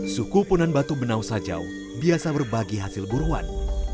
suku punan batu benausajau biasa berbagi hasil buruan